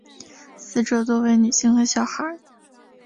死者多为女性和小孩。